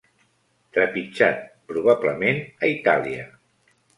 Trepitjat, probablement a Itàlia.